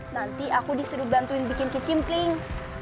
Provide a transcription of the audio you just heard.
nanti aku disuruh bantuin bikin kicimpling